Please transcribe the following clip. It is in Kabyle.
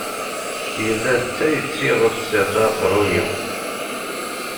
Yella d tayet iɣef serseɣ aqerruy-iw.